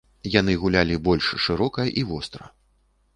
Яны гулялі больш шырока і востра.